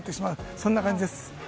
そんな感じです。